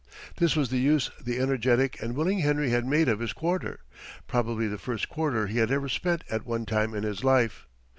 This was the use the energetic and willing Harry had made of his quarter, probably the first quarter he had ever spent at one time in his life.